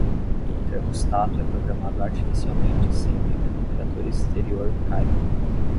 O termostato é programado artificialmente sempre que a temperatura exterior cai